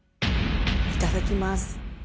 いただきます。